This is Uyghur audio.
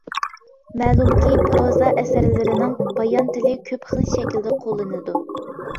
مەلۇمكى پىروزا ئەسەرلىرىنىڭ بايان تىلى كۆپ خىل شەكىلدە قوللىنىدۇ.